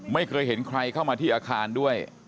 ไม่เคยเห็นใครเข้ามาที่อาคารด้วย